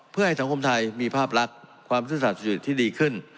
เพื่อให้สังคมไทยมีภาพลักษณ์ความซื่อสัตว์สุจริตที่ดีขึ้น